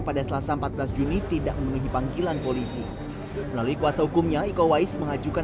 pada selasa empat belas juni tidak memenuhi panggilan polisi melalui kuasa hukumnya iko wais mengajukan